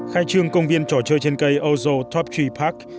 khai trương công viên trò chơi trên cây ozo top tree park